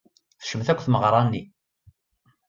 Tecmet akk tmeɣra-nni.